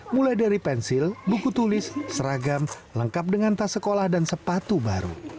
mulai dari pensil buku tulis seragam lengkap dengan tas sekolah dan sepatu baru